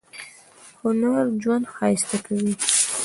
هنر ژوند ښایسته کوي